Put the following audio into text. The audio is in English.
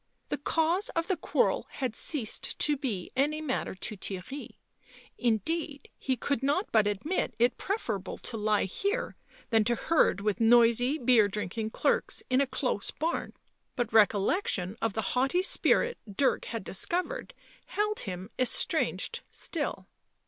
The cause of the quarrel had ceased to be any matter to Theirry ; indeed he could not but admit it preferable to lie here than to herd with noisy beer drinking clerks in a close barn, but recollection of the haughty spirit Dirk had discovered held him estranged still.